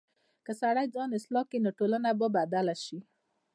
که سړی ځان اصلاح کړي، نو ټولنه به بدله شي.